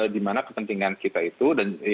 di mana kepentingan kita itu